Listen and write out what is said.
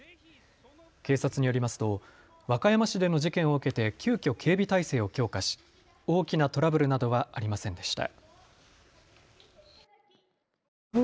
警察によりますと和歌山市での事件を受けて急きょ、警備態勢を強化し大きなトラブルなどはありませんでした。